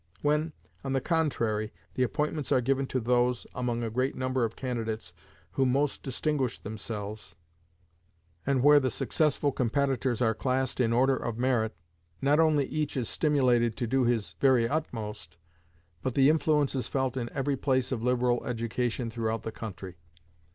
When, on the contrary, the appointments are given to those, among a great number of candidates, who most distinguish themselves, and where the successful competitors are classed in order of merit, not only each is stimulated to do his very utmost, but the influence is felt in every place of liberal education throughout the country.